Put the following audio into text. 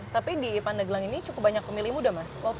tapi di pandeglang ini cukup banyak pemilih muda mas